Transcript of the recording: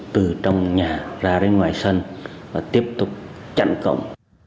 từ trong nhà ra đến ngoài sân và tiếp tục chặn cổng